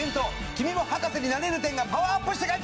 「君も博士になれる展」がパワーアップして帰ってきます！